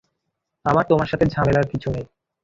আমার তোমার সাথে ঝামেলার কিছু নেই।